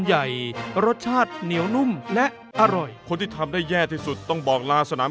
ใหญ่รสชาติเหนียวนุ่มและอร่อยคนที่ทำได้แย่ที่สุดต้องบอกลาสนาม